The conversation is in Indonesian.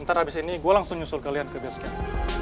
ntar abis ini gue langsung nyusul kalian ke basket